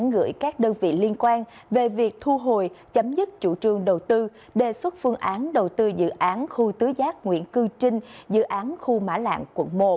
gửi các đơn vị liên quan về việc thu hồi chấm dứt chủ trương đầu tư đề xuất phương án đầu tư dự án khu tứ giác nguyễn cư trinh dự án khu mã lạng quận một